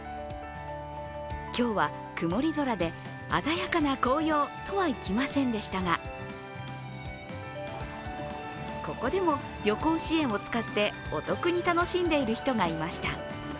今日は曇り空で鮮やかな紅葉とはいきませんでしたがここでも旅行支援を使ってお得に楽しんでいる人がいました。